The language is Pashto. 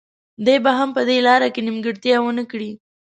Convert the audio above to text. دی به هم په دې لاره کې نیمګړتیا ونه کړي.